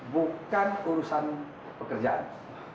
bukan urusan pekerjaan